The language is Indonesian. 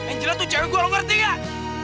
angela tuh cewek gua lu ngerti nggak